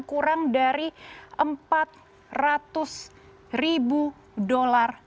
kurang dari empat ratus ribu dolar